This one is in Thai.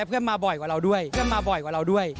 เพื่อนมาจริงแล้วเพื่อนมาบ่อยกว่าเราด้วย